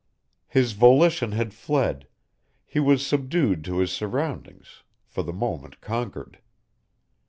His volition had fled, he was subdued to his surroundings, for the moment conquered.